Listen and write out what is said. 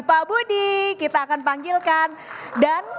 pak budi kita akan panggilkan dan